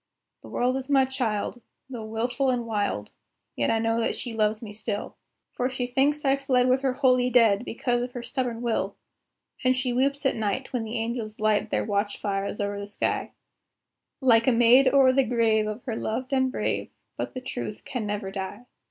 The world is my child. Though wilful and wild, Yet I know that she loves me still, For she thinks I fled with her holy dead, Because of her stubborn will; And she weeps at night, when the angels light Their watch fires over the sky, Like a maid o'er the grave of her loved and brave; But the Truth can never die.